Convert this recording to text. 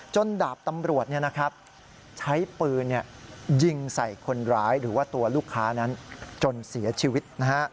ดาบตำรวจใช้ปืนยิงใส่คนร้ายหรือว่าตัวลูกค้านั้นจนเสียชีวิต